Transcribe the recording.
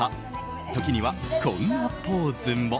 時にはこんなポーズも。